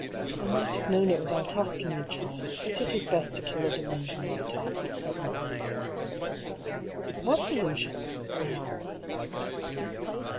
" I might have known it without asking you, child ; but it is best to kill a delusion right out, at once." " What delusion ?" I asked.